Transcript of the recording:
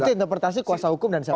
itu interpretasi kuasa hukum dan siapa